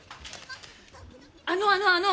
あのあのあの！